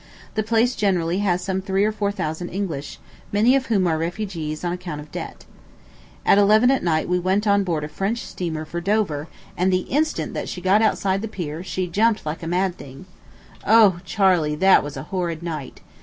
The place generally has some three or four thousand English, many of whom are refugees on account of debt. At eleven at night we went on board a French steamer for Dover; and the instant that she got outside the pier, she jumped like a mad thing. O, Charley, that was a horrid night!